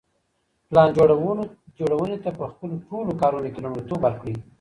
پلان جوړوني ته په خپلو ټولو کارونو کي لومړیتوب ورکړئ.